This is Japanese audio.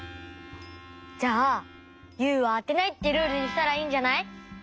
じゃあ「ユウはあてない」ってルールにしたらいいんじゃない？